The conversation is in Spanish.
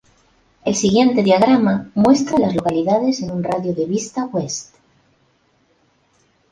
El siguiente diagrama muestra a las localidades en un radio de de Vista West.